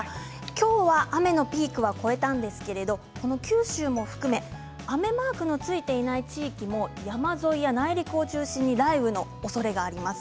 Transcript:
今日は雨のピークは超えたんですけれど九州も含め雨マークのついていない地域も山沿いや内陸を中心に雷雨のおそれがあります。